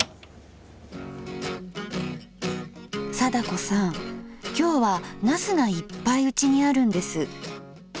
貞子さん今日は茄子がいっぱいうちにあるんです。